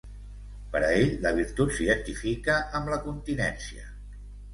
Per a ell la virtut s'identifica amb la continència.